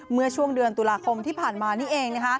เมื่อช่วงเดือนตุลาคมที่ผ่านมานี่เอง